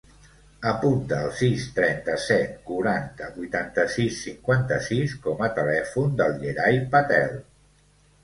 Apunta el sis, trenta-set, quaranta, vuitanta-sis, cinquanta-sis com a telèfon del Yeray Patel.